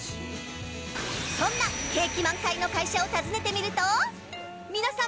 そんな景気満開の会社を訪ねてみると皆さん